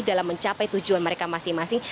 dalam mencapai tujuan mereka masing masing